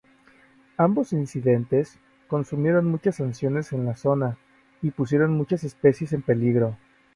Ambos incendios consumieron muchas secciones de la zona, y pusieron muchas especies en peligro.